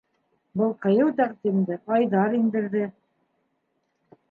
- Был ҡыйыу тәҡдимде Айҙар индерҙе.